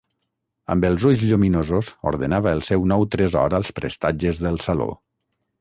Amb els ulls lluminosos ordenava el seu nou tresor als prestatges del saló.